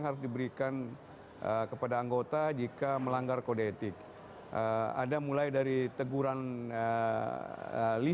ada bang asri disini